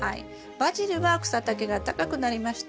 バジルは草丈が高くなりました。